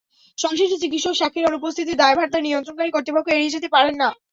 সংশ্লিষ্ট চিকিৎসক সাক্ষীর অনুপস্থিতির দায়ভার তাঁর নিয়ন্ত্রণকারী কর্তৃপক্ষ এড়িয়ে যেতে পারেন না।